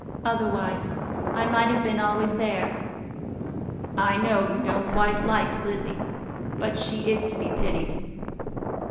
Otherwise I might have been always there. I know you don't quite like Lizzie, but she is to be pitied.